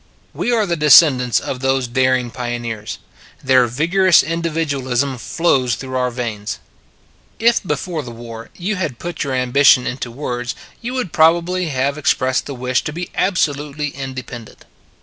We are the descendants of those daring pioneers: their vigorous individualism flows through our veins. If, before the war, you had put your We re All in the Same Boat 23 ambition into words, you would probably have expressed the wish to be absolutely independent.